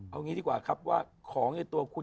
เอางี้ดีกว่าครับว่าของในตัวคุณ